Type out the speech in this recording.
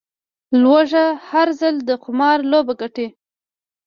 لوږه، هر ځل د قمار لوبه ګټي